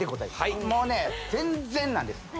はいもうね全然なんです何？